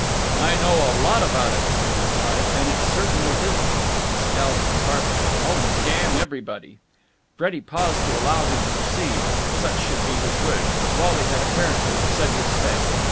"I know a lot about it," he replied, "and it certainly isn't." He scowled at the carpet. "Oh, damn everybody!" Freddie paused to allow him to proceed, if such should be his wish, but Wally had apparently said his say.